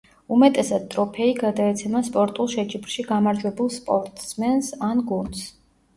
უმეტესად ტროფეი გადაეცემა სპორტულ შეჯიბრში გამარჯვებულ სპორტსმენს ან გუნდს.